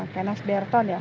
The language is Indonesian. kenas berton ya